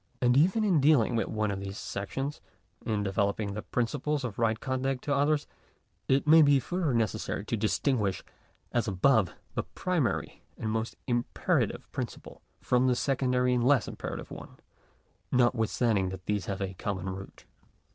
And even in dealing with one of these sections — in developing the principles of right conduct to others, it may be further, necessary to distinguish, as above, the primary and most imperative principle, from the secondary and less imperative one; notwithstanding that these have a common root.